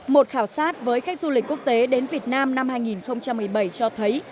một khảo sát với khách du lịch quốc tế đến việt nam năm hai nghìn một mươi bảy cho thấy